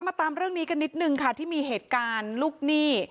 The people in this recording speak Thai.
ตามเรื่องนี้กันนิดนึงค่ะที่มีเหตุการณ์ลูกหนี้